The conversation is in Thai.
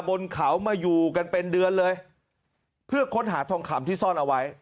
บนเขามาอยู่กันเป็นเดือนเลยเพื่อค้นหาทองคำที่ซ่อนเอาไว้